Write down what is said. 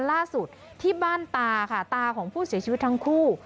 ล่าสุดที่บ้านตาค่ะตาของผู้เสียชีวิตทั้งคู่